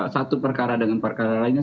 satu perkara dengan perkara lainnya